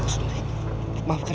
ku suwe kau dimengertikan